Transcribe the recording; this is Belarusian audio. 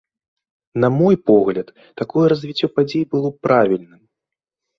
На мой погляд, такое развіццё падзей было б правільным.